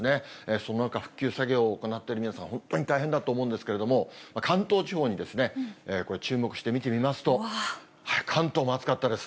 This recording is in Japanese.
その中復旧作業を行っている皆さん、本当に大変だと思うんですけれども、関東地方にこれ、注目して見てみますと、関東も暑かったです。